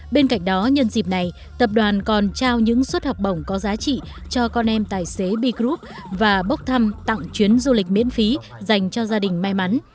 bên cạnh đó nhân dịp này tập đoàn còn trao những suất học bổng có giá trị cho con em tài xế b group và bốc thăm tặng chuyến du lịch miễn phí dành cho gia đình may mắn